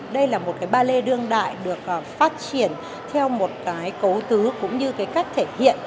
đây là một cái ba lê đương đại được phát triển theo một cái cấu tứ cũng như cái cách thể hiện